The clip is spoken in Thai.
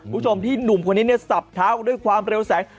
คุณผู้ชมที่หนุ่มคนนี้เนี่ยสับเท้าด้วยความเร็วแสง